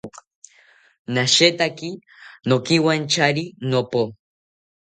Nashetaki nokiwantyari nopo